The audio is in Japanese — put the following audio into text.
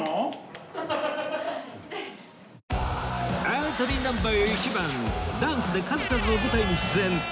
エントリーナンバー１番ダンスで数々の舞台に出演ヒサ・オグラ！